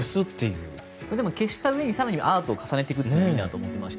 消した上に更にアートを重ねていくのいいなと思っていまして